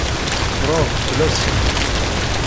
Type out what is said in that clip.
Teffreḍ fell-asent.